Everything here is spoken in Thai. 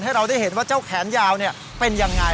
เราได้เห็นว่าเจ้าแขนยาวเป็นยังไง